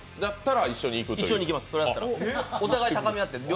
お互いに高め合って。